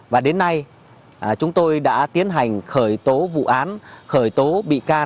và đến nay chúng tôi đã tiến hành khởi tố vụ án khởi tố bị can